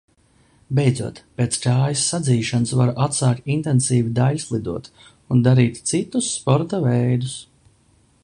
Beidzot, pēc kājas sadzīšanas, varu atsākt intensīvi daiļslidot un darīt citus sporta veidus.